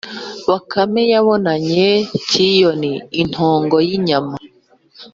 Bakame yabonanye cyiyoni intongo y’inyama